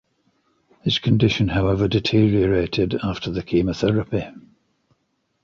His condition however deteriorated after the chemotherapy.